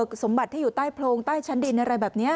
สมบัติที่อยู่ใต้โพรงใต้ชั้นดินอะไรแบบนี้